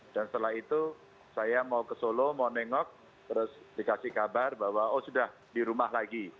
dan setelah itu saya mau ke solo mau nengok terus dikasih kabar bahwa oh sudah di rumah lagi